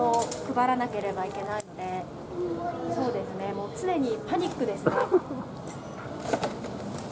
もう常にパニックですね。